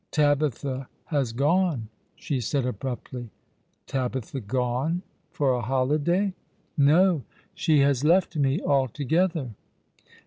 " Tabitha has gone !" she said abruptly. " Tabitha gone — for a holiday ?"" No, she has left me, altogether."